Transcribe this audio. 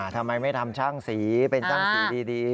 ทำไมไม่ทำช่างสีเป็นช่างสีดี